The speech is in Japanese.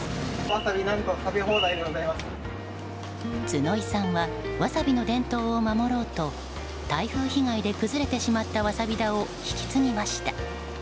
角井さんはワサビの伝統を守ろうと台風被害で崩されてしまったワサビ田を引き継ぎました。